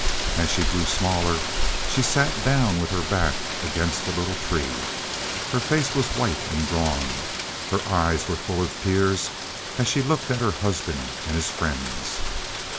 As she grew smaller, she sat down with her back against a little tree. Her face was white and drawn; her eyes were full of tears as she looked at her husband and his friends.